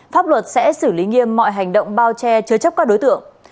pháp luật sẽ xử lý nghiêm mọi hành động bao che chứa chấp các đối tượng